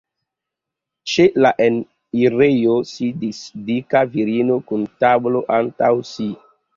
Ĉe la enirejo sidis dika virino kun tablo antaŭ si.